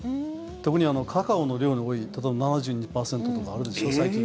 特にカカオの量の多い、例えば７２％とかあるでしょ、最近。